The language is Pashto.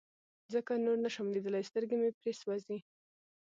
ځکه نور نشم ليدلى سترګې مې پرې سوزي.